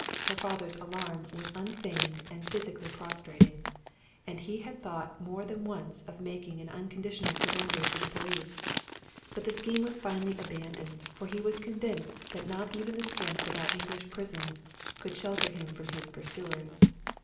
Her father's alarm was un feigned and physically prostrating, and he had thought more than once of making an unconditional surrender to the police. But the scheme was finally abandoned, for he was convinced that not even the strength of our English prisons could shelter him from his pursuers.